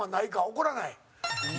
怒らない。